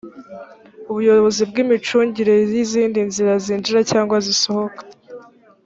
ubuyobozi bw’imicungire y’izindi nzira zinjira cyangwa zisohoka